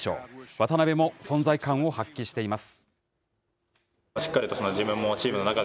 渡邊も存在感を発揮しています。